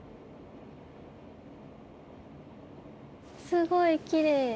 すごいきれい。